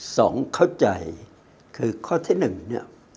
สองเข้าใจคือข้อที่หนึ่งเนี่ย